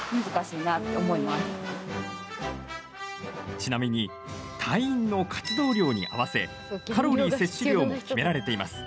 ちなみに隊員の活動量に合わせカロリー摂取量も決められています。